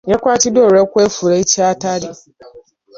Yakwatiddwa lwa kwefuula ky'atali.